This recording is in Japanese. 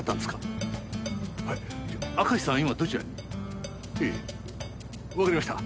はい明石さんは今どちらに？ええわかりました。